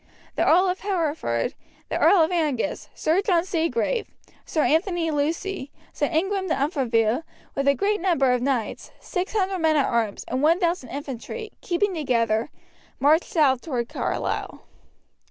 The Earl of Hereford, the Earl of Angus, Sir John Seagrave, Sir Anthony Lucy, Sir Ingram de Umfraville, with a great number of knights, 600 men at arms, and 1000 infantry, keeping together, marched south toward Carlisle.